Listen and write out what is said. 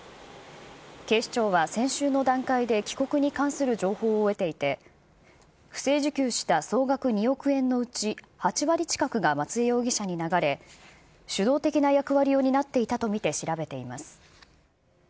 警視庁は先週の段階で帰国に関する情報を得ていて、不正受給した総額２億円のうち８割近くが松江容疑者に流れ、主導的な役割を担っていたと見て調べています。